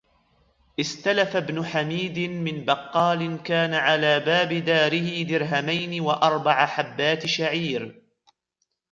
استلف بن حميد من بقال كان على باب داره درهمين وأربع حبات شعير